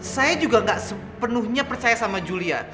saya juga gak sepenuhnya percaya sama julia